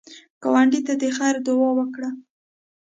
ګاونډي ته د خیر دعا وکړه